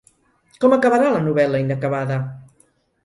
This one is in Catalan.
¿Com acabarà la novel·la inacabada?